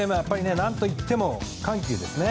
何といっても緩急ですね。